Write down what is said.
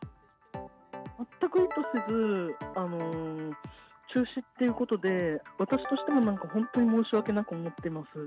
全く意図せず、中止ということで、私としても本当に申し訳なく思っています。